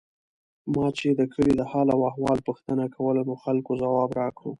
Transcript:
ما چې د کلي د حال او احوال پوښتنه کوله، نو خلکو ځواب راکړو.